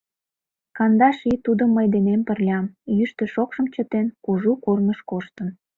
Кандаш ий тудо мый денем пырля, йӱштӧ-шокшым чытен, кужу корныш коштын.